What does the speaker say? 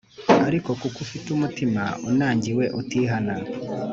Ariko kuko ufite umutima unangiwe utihana